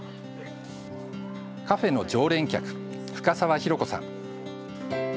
カフェの常連客、深澤尋子さん。